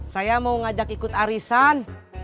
saya mau ngajak ikut arisan